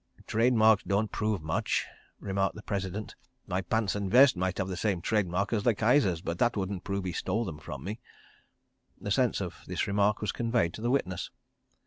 "Trade mark don't prove much," remarked the President. "My pants and vest might have same trade mark as the Kaiser's—but that wouldn't prove he stole them from me." The sense of this remark was conveyed to the witness.